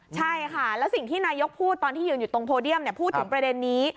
ใช่ค่ะแล้วสิ่งที่นายกพูดตอนที่ยืนอยู่ตรงโพเดียมพูดถึงประเด็นนี้